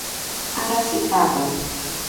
Aracitaba